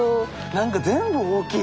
なんか全部大きい。